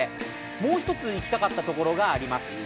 もう１つ、行きたかったところがあります。